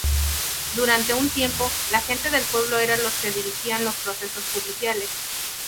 Durante un tiempo, la gente del pueblo era los que dirigían los procesos judiciales.